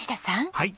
はい。